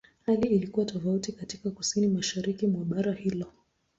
Hali ilikuwa tofauti katika Kusini-Mashariki mwa bara hilo.